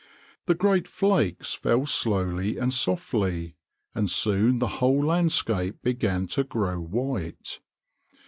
The great flakes fell slowly and softly, and soon the whole landscape began to grow white.